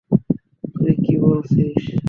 তুই কি বলছিস?